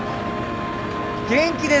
元気です！